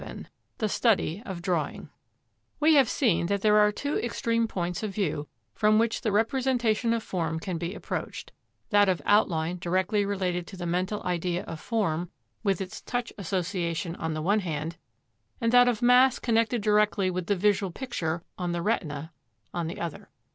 VII THE STUDY OF DRAWING We have seen that there are two extreme points of view from which the representation of form can be approached, that of outline directly related to the mental idea of form with its touch association on the one hand, and that of mass connected directly with the visual picture on the retina on the other.